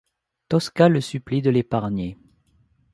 Tosca le supplie de l'épargner.